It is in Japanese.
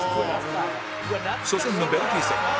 初戦のベルギー戦